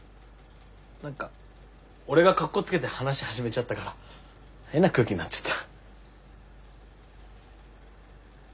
何か俺がかっこつけて話始めちゃったから変な空気になっちゃった。